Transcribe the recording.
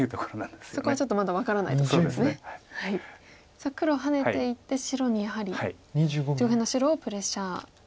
さあ黒はハネていって白にやはり上辺の白をプレッシャー。